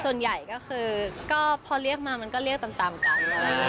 ส่วนใหญ่ก็คือก็พอเรียกมามันก็เรียกตามกัน